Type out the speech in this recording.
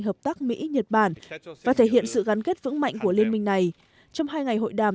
hợp tác mỹ nhật bản và thể hiện sự gắn kết vững mạnh của liên minh này trong hai ngày hội đàm